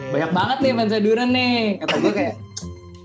banyak banget nih fansnya duren nih kata gue kayak